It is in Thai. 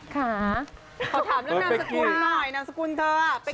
ขอถามเรื่องนางสกุลของไป